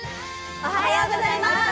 おはようございます。